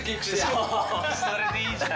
それでいいじゃん。